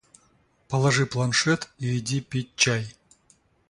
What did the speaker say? Положи планшет и иди пить чай